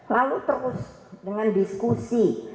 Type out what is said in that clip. lalu terus dengan diskusi